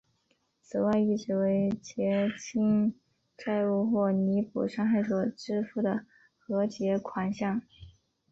此外亦指为结清债务或弥补伤害所支付的和解款项。